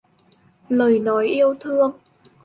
Lời nói yêu thương